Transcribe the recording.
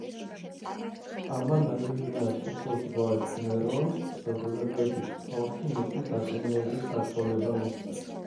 ამან აგრიპინას უფროს ვაჟ ნერონს საზოგადოების თვალში მისი დაკნინების საშუალება მისცა.